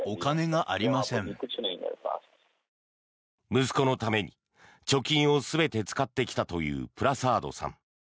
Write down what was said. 息子のために貯金を全て使ってきたというプラサードさん。